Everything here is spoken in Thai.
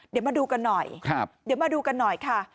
เดี๋ยวมาดูกันหน่อย